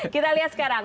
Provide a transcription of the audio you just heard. kita lihat sekarang